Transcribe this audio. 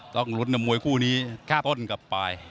ต้องลุ้นมวยคู่นี้ต้นกับปลาย